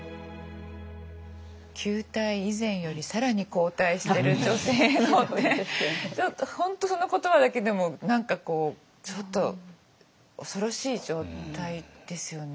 旧態依然より更に後退してる女性のってちょっと本当その言葉だけでも何かこうちょっと恐ろしい状態ですよね。